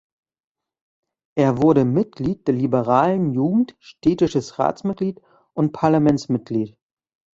Er wurde Mitglied der Liberalen Jugend, städtisches Ratsmitglied und Parlamentsmitglied.